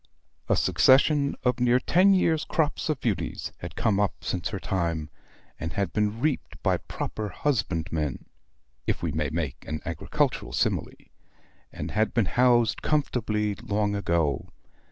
A succession of near ten years' crops of beauties had come up since her time, and had been reaped by proper HUSBANDmen, if we may make an agricultural simile, and had been housed comfortably long ago.